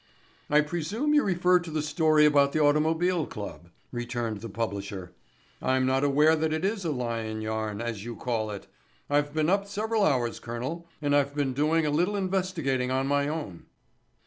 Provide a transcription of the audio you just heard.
"I presume you refer to the story about the Automobile Club," returned the publisher. "I'm not aware that it is a lying yarn, as you call it. I've been up several hours, colonel, and I've been doing a little investigating on my own."